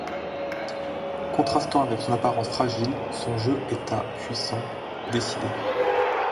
Contrastant avec son apparence fragile, son jeu état puissant et décidé.